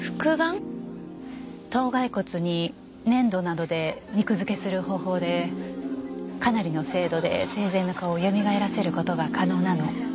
頭骸骨に粘土などで肉付けする方法でかなりの精度で生前の顔をよみがえらせる事が可能なの。